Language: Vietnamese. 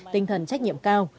tinh thần trách nhiệm cao